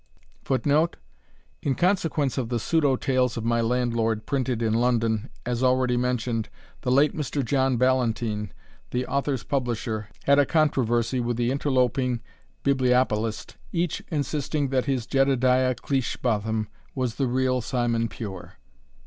[Footnote: In consequence of the pseudo Tales of My Landlord printed in London, as already mentioned, the late Mr. John Ballantyne, the author's publisher, had a controversy with the interloping bibliopolist, each insisting that his Jedediah Cleishbotham was the real Simon Pure.